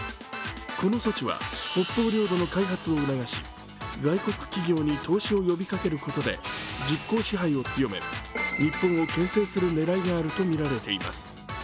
この措置は北方領土の開発を促し外国企業に投資を呼びかけることで実効支配を強め、日本をけん制する狙いがあるとみられています。